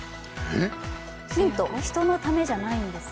ヒント、人のためじゃないんです。